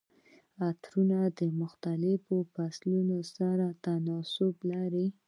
عطرونه د مختلفو فصلونو سره تناسب لري.